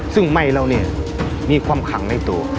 ซึ่งไมเหรอนี้มีความคังในตัว